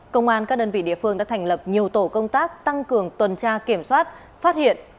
công an các đơn vị địa phương đã thành lập nhiều tổ công tác tăng cường tuần tra kiểm soát phát hiện